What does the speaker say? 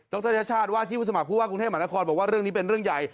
รยาชาติว่าที่ผู้สมัครผู้ว่ากรุงเทพมหานครบอกว่าเรื่องนี้เป็นเรื่องใหญ่